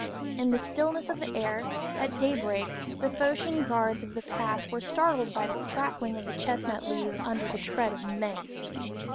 In the stillness of the air, at daybreak, the Phocian guards of the path were startled by the crackling of the chestnut leaves under the tread of many feet.